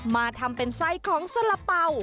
มาทำเป็นไส้ของสละเป๋า